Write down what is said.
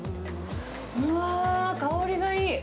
うわー、香りがいい。